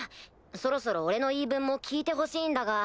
そろそろ俺の言い分も聞いてほしいんだが。